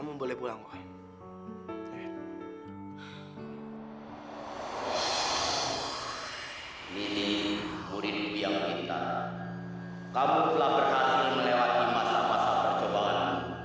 mulai sekarang guru kemampuan sihirmu kumusnahkan